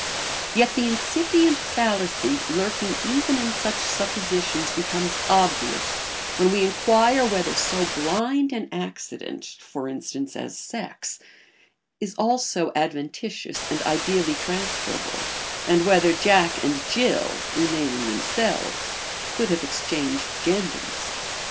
Yet the incipient fallacy lurking even in such suppositions becomes obvious when we inquire whether so blind an accident, for instance, as sex is also adventitious and ideally transferable and whether Jack and Jill, remaining themselves, could have exchanged genders.